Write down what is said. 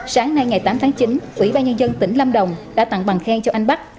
sáng nay ngày tám tháng chín ủy ban nhân dân tỉnh lâm đồng đã tặng bằng khen cho anh bắc